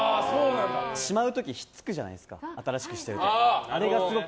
しまう時ひっつくじゃないですか新しくしてると。